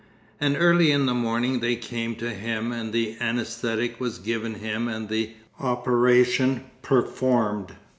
And early in the morning they came to him and the anæsthetic was given him and the operation performed.